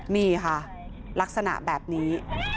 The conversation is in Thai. นี่ค่ะลักษณะแบบนี้